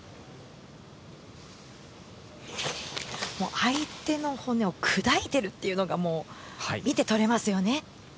相手の骨を砕いているというのが見て取れますよね。